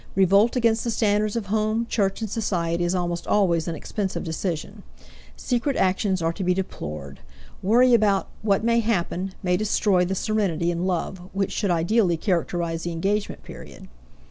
Revolt against the standards of home, church, and society is almost always an expensive decision; secret actions are to be deplored; worry about "what may happen" may destroy the serenity in love which should ideally characterize the engagement period.